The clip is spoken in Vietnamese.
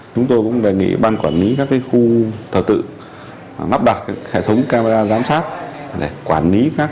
chúng tôi cũng đề nghị ban quản lý